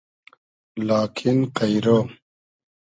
لاکین قݷرۉ